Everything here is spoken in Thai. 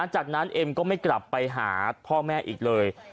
จากนั้นเอ็มก็ไม่กลับไปหาพ่อแม่อีกเลย